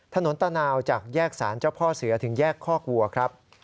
ตะนาวจากแยกสารเจ้าพ่อเสือถึงแยกคอกวัวครับ